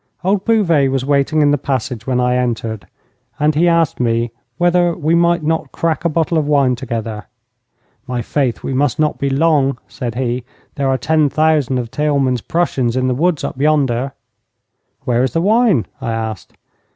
Old Bouvet was waiting in the passage when I entered, and he asked me whether we might not crack a bottle of wine together. 'My faith, we must not be long,' said he. 'There are ten thousand of Theilmann's Prussians in the woods up yonder.' 'Where is the wine?' I asked.